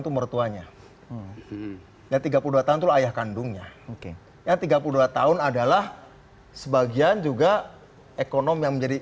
itu mertuanya yang tiga puluh dua tahun tuh ayah kandungnya oke yang tiga puluh dua tahun adalah sebagian juga ekonom yang menjadi